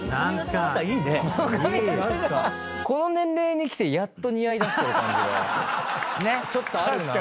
この髪形がこの年齢にきてやっと似合いだしてる感じがちょっとあるなぁ。